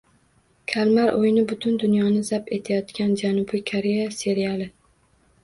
Kalmar o‘yini — butun dunyoni zabt etayotgan Janubiy Koreya seriali